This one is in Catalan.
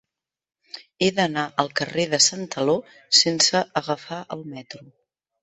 He d'anar al carrer de Santaló sense agafar el metro.